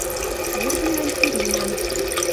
Эргӹмлӓн сиренӓм